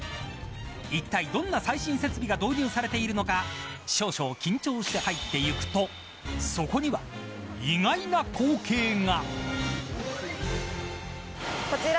いったいどんな最新設備が導入されているのか少々緊張して入っていくとそこには意外な光景が。